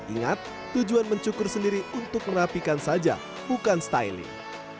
ingat tujuan mencukur sendiri untuk merapikan saja bukan styling